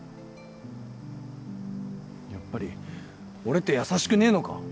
やっぱり俺って優しくねえのか？